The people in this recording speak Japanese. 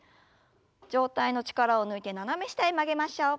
上体の力を抜いて斜め下へ曲げましょう。